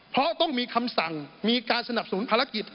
เพราะต้องมีคำสั่งมีการสนับสนุนภารกิจ